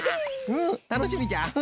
うんたのしみじゃ。